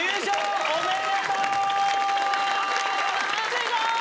すごーい！